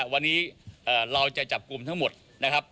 วันนี้เราจะจับกลุ่มทั้งหมดนะครับ